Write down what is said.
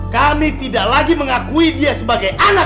kami tidak lagi mengakui dia sebagai anak